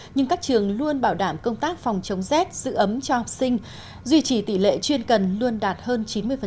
nhưng các trường luôn bảo đảm công tác phòng chống rét giữ ấm cho học sinh duy trì tỷ lệ chuyên cần luôn đạt hơn chín mươi